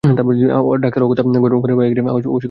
Doctor অগত্যা ঘরের বাহিরে গিয়া আশাকে ডাকিয়া পাঠাইল।